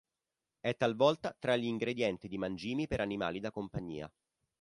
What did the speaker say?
È talvolta tra gli ingredienti di mangimi per animali da compagnia.